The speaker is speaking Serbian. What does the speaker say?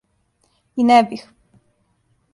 И не бих.